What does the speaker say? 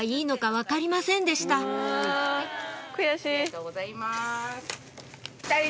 ありがとうございます。